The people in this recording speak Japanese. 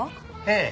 ええ。